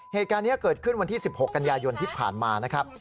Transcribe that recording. เหตุการณ์นี้เกิดขึ้นวันที่๑๖กันยายนที่ผ่านมานะครับ